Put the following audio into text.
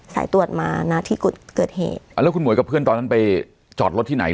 สายตรวจมานะที่เกิดเหตุอ่าแล้วคุณหมวยกับเพื่อนตอนนั้นไปจอดรถที่ไหน